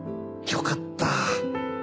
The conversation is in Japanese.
よかった。